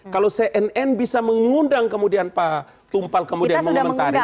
kalau cnn bisa mengundang kemudian pak tumpal kemudian mengomentari